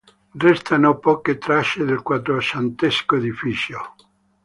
Restano poche tracce del quattrocentesco edificio.